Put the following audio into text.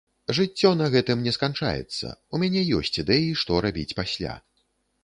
Жыццё на гэтым не сканчаецца, у мяне ёсць ідэі, што рабіць пасля.